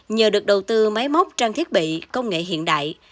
nhờ được đầu tư máy móc trang thiết bị công nghệ hiện đại